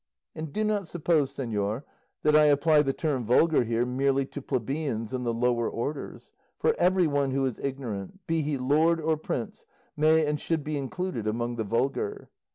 And do not suppose, señor, that I apply the term vulgar here merely to plebeians and the lower orders; for everyone who is ignorant, be he lord or prince, may and should be included among the vulgar.